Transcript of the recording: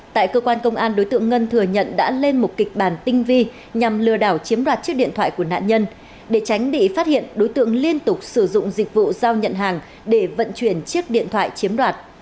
tại cơ quan công an đối tượng ngân thừa nhận đã lên một kịch bản tinh vi nhằm lừa đảo chiếm đoạt chiếc điện thoại của nạn nhân để tránh bị phát hiện đối tượng liên tục sử dụng dịch vụ giao nhận hàng để vận chuyển chiếc điện thoại chiếm đoạt